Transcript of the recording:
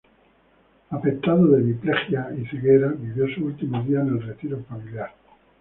Afectado de hemiplejía y ceguera, vivió sus últimos días en el retiro familiar.